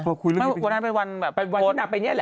วันนั้นเป็นวันแบบวันนี่นักไปไหนละ